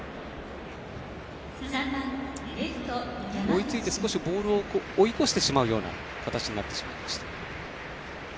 追いついて、少しボールを追い越してしまう形になりました。